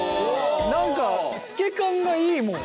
何か透け感がいいもん。